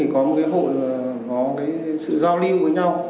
có một cơ hội giao lưu với nhau